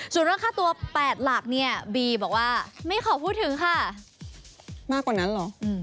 ส่วนเรื่องค่าตัวแปดหลักเนี่ยบีบอกว่ามากกว่านั้นหรอ